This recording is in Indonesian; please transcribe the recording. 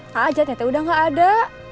kak ajatnya teh udah gak ada